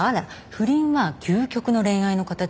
不倫は究極の恋愛の形よ。